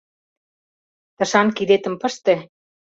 Тышан кидетым пыште.